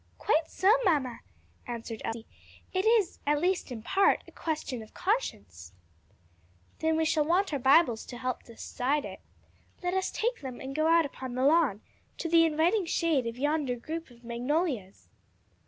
"Quite so, mamma," answered Elsie: "it is, at least in part, a question of conscience." "Then we shall want our Bibles to help us decide it. Let us take them and go out upon the lawn, to the inviting shade of yonder group of magnolias."